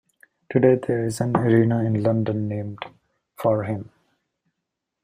Today there is an arena in London named for him.